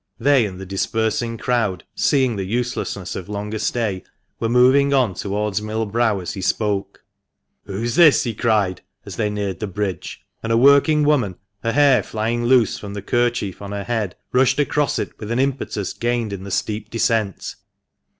They, and the dispersing crowd, seeing the uselessness of longer stay, were moving on towards Mill Brow as he spoke. " Who's this ?" he cried, as they neared the bridge, and a working woman, her hair flying loose from the kerchief on her head, rushed across it with an impetus gained in the steep descent.